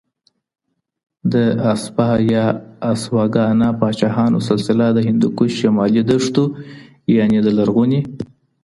د اسپه یا اسوه ګانه پاچهانو سلسله د هندوکش شمالي دښتو، یعني د لرغوني